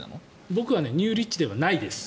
僕はニューリッチではないです。